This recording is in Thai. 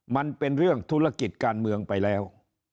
มันเป็นเรื่องธุรกิจการเมืองไปแล้ว